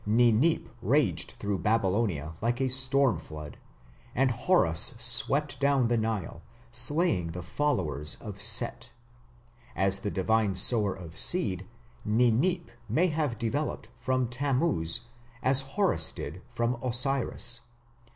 Ninip raged through Babylonia like a storm flood, and Horus swept down the Nile, slaying the followers of Set. As the divine sower of seed, Ninip may have developed from Tammuz as Horus did from Osiris.